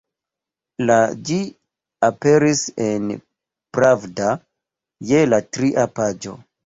La ĝi aperis en «Pravda» je la tria paĝo.